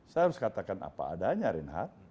saya harus katakan apa adanya reinhardt